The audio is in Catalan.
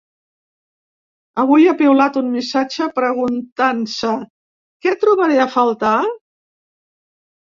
Avui ha piulat un missatge preguntant-se: Què trobaré a faltar?